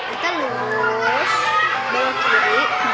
itu lurus bawah kiri